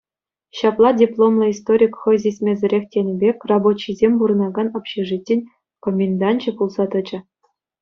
Ҫапла дипломлӑ историк хӑй сисмесӗрех тенӗ пек рабочисем пурӑнакан общежитин коменданчӗ пулса тӑчӗ.